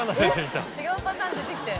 違うパターン出てきたよ。